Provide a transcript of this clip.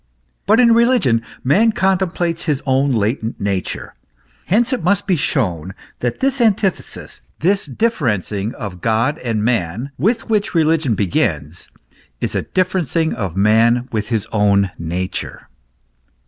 But in religion man contemplates his own latent nature. Hence it must be shown that this antithesis, this differencing of God and man, with which religion begins, is a differencing of man with his own nature.